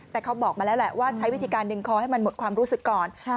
แต่เขาบอกมาแล้วแหละว่าใช้วิธีการดึงคอให้มันหมดความรู้สึกก่อน